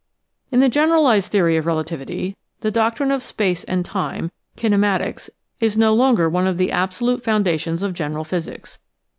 In the generalized theory of relativity, the doctrine of space and time, kinematics, is no longer one of the abso lute foundations of general physics.